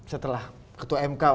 setelah ketua mk